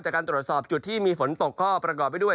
จากการตรวจสอบจุดที่มีฝนตกก็ประกอบไปด้วย